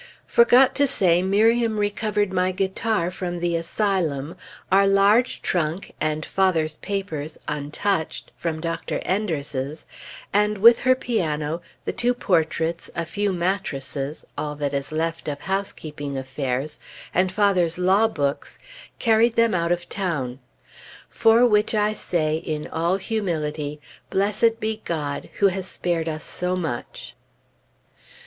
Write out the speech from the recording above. Forgot to say Miriam recovered my guitar from the Asylum, our large trunk and father's papers (untouched) from Dr. Enders's, and with her piano, the two portraits, a few mattresses (all that is left of housekeeping affairs), and father's law books, carried them out of town. For which I say in all humility, Blessed be God who has spared us so much.